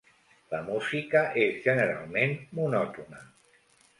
La música és generalment monòtona.